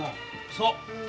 そう。